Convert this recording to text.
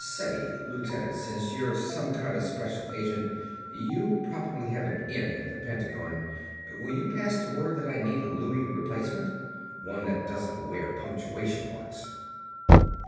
"Say, lieutenant, since you're some kind of special agent you probably have an 'in' at the Pentagon. Will you pass the word that I need a looey replacement? One that doesn't wear punctuation marks."